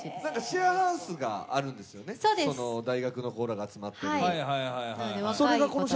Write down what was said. シェアハウスがあるんですよね、ここの大学の人が集まってる。